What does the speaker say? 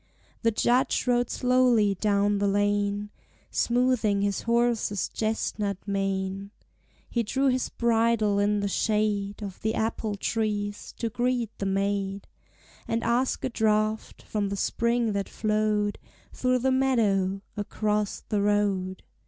The Judge rode slowly down the lane, Smoothing his horse's chestnut mane. He drew his bridle in the shade Of the apple trees, to greet the maid, And ask a draught from the spring that flowed Through the meadow, across the road.